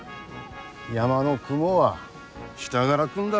山の雲は下がら来んだ。